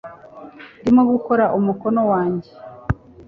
ndimo gukora umukoro wanjye